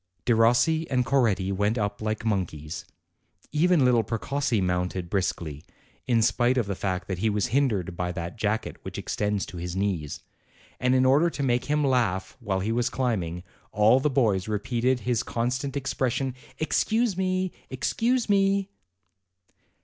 Derossi and Coretti went up like monkeys; even little Precossi mounted briskly, in spite of the fact that he was hindered by that jacket which extends to his knees ; and in order to make him laugh while he was climbing, all the boys repeated his con stant expression, "Excuse me! excuse me!"